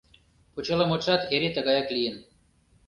Почеламутшат эре тыгаяк лийын.